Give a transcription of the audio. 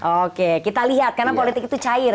oke kita lihat karena politik itu cair